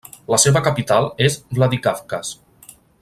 La seva capital és Vladikavkaz.